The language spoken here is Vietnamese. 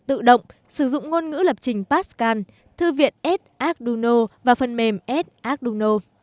tự động sử dụng ngôn ngữ lập trình pascal thư viện s arduino và phần mềm s arduino